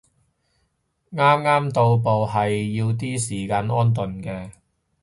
啱啱到埗係要啲時間安頓嘅